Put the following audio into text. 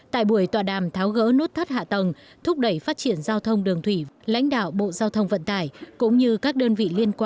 tại buổi tòa đàm tháo gỡ nốt thắt hạ tầng thúc đẩy phát triển giao thông đường thủy lãnh đạo bộ giao thông vận tải